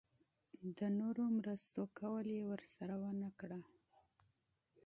د نورو مرستو ژمنه یې ورسره ونه کړه.